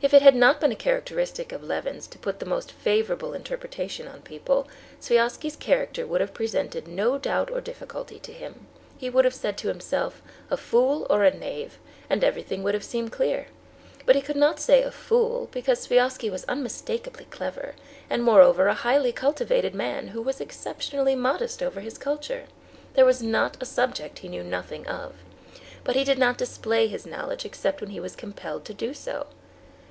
If it had not been a characteristic of Levin's to put the most favorable interpretation on people, Sviazhsky's character would have presented no doubt or difficulty to him: he would have said to himself, "a fool or a knave," and everything would have seemed clear. But he could not say "a fool," because Sviazhsky was unmistakably clever, and moreover, a highly cultivated man, who was exceptionally modest over his culture. There was not a subject he knew nothing of. But he did not display his knowledge except when he was compelled to do so.